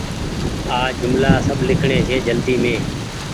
آج جملآ سب لکڻي ڇي جلدي مين ۔